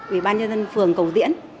ủy ban nhân dân phường cầu diễn